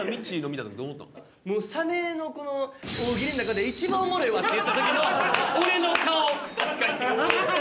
「サメのこの大喜利の中で一番おもろいわ」って言った時の俺の顔！